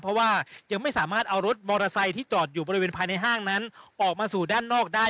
เพราะว่ายังไม่สามารถเอารถมอเตอร์ไซค์ที่จอดอยู่บริเวณภายในห้างนั้นออกมาสู่ด้านนอกได้